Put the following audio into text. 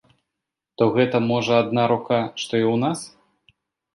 То гэта, можа, адна рука, што і ў нас!